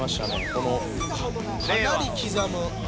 このかなりきざむ。